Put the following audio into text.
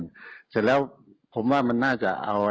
เสร็จแล้วผมว่ามันน่าจะเอา